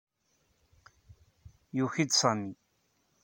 Yuki-d Sami.